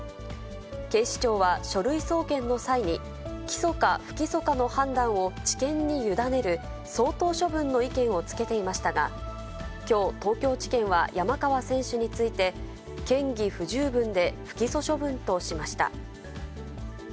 警視庁は書類送検の際に、起訴か不起訴かの判断を地検に委ねる、相当処分の意見をつけていましたが、きょう、東京地検は山川選手について、嫌疑不十分で不起訴処分としました。